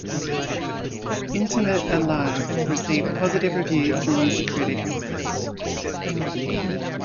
"Intimate and Live" received positive reviews from music critics.